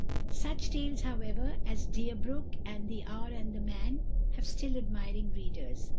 Such tales, however, as "Deerbrook" and "The Hour and the Man" have still admiring readers.